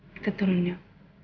kita turun yuk